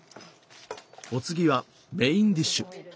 お次はメインディッシュ。